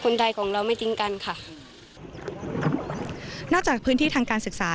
นอกจากพื้นที่ทางการศึกษา